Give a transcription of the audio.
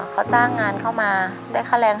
เขาจ้างงานเข้ามาได้ค่าแรง